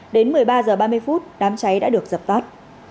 đến một mươi ba h ba mươi đám cháy đã được dập tắt